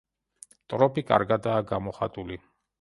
ტროპი კარგადაა გამოხატული.